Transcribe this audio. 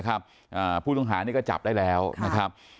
ผู้ต้องหานี่ก็จับได้แล้วนะครับ